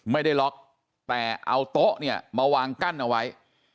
ไม่ได้ล็อกแต่เอาโต๊ะเนี่ยมาวางกั้นเอาไว้